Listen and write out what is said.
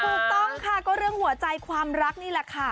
ถูกต้องค่ะก็เรื่องหัวใจความรักนี่แหละค่ะ